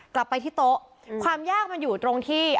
กลับไปที่โต๊ะความยากมันอยู่ตรงที่